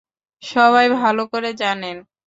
সবাই ভালো করে জানেন।